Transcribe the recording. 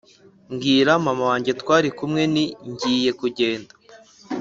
mbwira mama wanjye twari kumwe nti ngiye kugenda